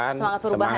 semangat perubahan ya